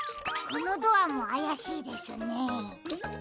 このドアもあやしいですね。